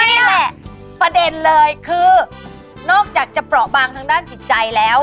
นี่แหละประเด็นเลยคือนอกจากจะเปราะบางทางด้านจิตใจแล้ว